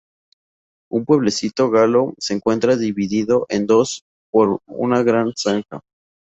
Un pueblecito galo se encuentra divido en dos por una gran zanja.